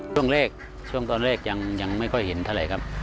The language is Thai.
ช่วงแรกช่วงตอนแรกยังไม่ค่อยเห็นเท่าไหร่ครับ